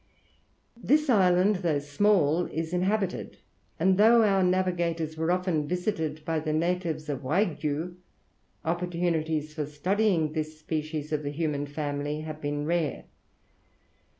This island, though small, is inhabited; but though our navigators were often visited by the natives of Waigiou, opportunities for studying this species of the human family have been rare.